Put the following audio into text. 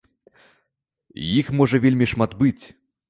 Іх можа вельмі шмат быць!